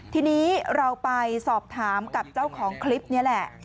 ทีนี้เราไปสอบถามกับเจ้าของคลิปนี้แหละ